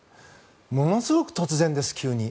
ものすごく突然です、急に。